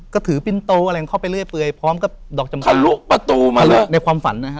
คือในความฝันนะครับ